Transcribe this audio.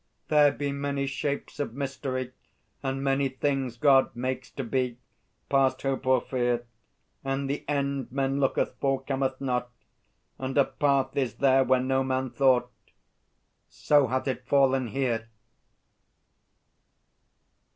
There be many shapes of mystery. And many things God makes to be, Past hope or fear. And the end men looked for cometh not, And a path is there where no man thought. So hath it fallen here.